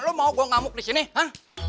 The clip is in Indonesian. lo mau gue ngamuk di sini hah